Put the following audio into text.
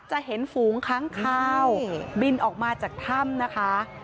จะเห็นฝูงค้างคาวบินออกมาจากถ้ำนะคะ